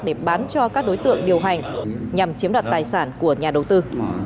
để bán cho các đối tượng điều hành nhằm chiếm đoạt tài sản của nhà đầu tư